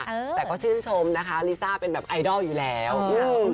แต่ก็ชื่นชมนะคะลิซ่าเป็นแบบไอดอลอยู่แล้วอืม